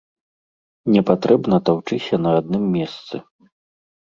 Не патрэбна таўчыся на адным месцы.